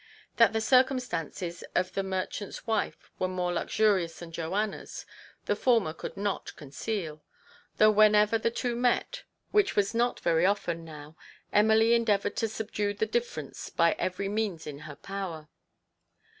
That the circumstances of the mer chant's wife were more luxurious than Joanna's, the former could not conceal ; though when ever the two met, which was not very often 134 TO PLEASE HIS WIFE. now, Emily endeavoured to subdue the differ ence by every means in her power.